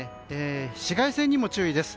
紫外線にも注意です。